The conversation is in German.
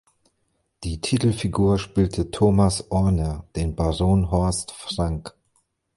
Die Titelfigur spielte Thomas Ohrner, den Baron Horst Frank.